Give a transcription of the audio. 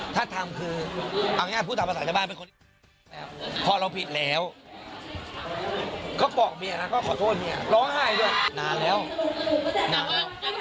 แต่ว่าหลังจากนั้นก็ยังไม่เคยมีอีกหรอใช่ไหม